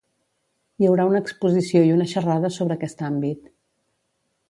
Hi haurà una exposició i una xerrada sobre aquest àmbit.